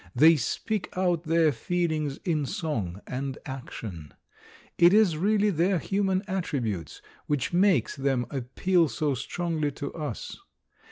They speak out their feelings in song and action. It is really their human attributes which makes them appeal so strongly to us.